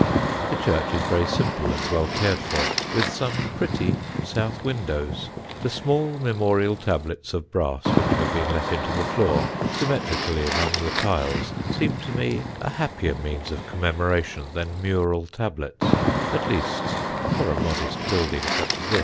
The church is very simple and well cared for, with some pretty south windows. The small memorial tablets of brass which have been let into the floor symmetrically among the tiles seem to me a happier means of commemoration than mural tablets, at least for a modest building such as this.